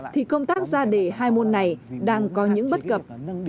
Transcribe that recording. thì công tác ra đề hai môn này đang có những bất cập